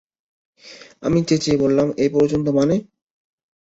আমি চেঁচিয়ে বললাম, এই পর্যন্ত মানে?